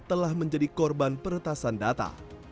telah menjadi korban peretasan data